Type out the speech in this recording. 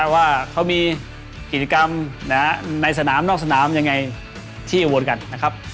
ว่าเขามีกิจกรรมในสนามนอกสนามยังไงที่อุบลกันนะครับ